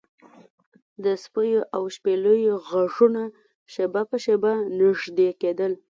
د سپیو او شپېلیو غږونه شیبه په شیبه نږدې کیدل